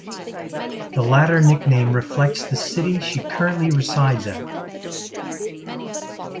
The latter nickname reflects the city she currently resides at.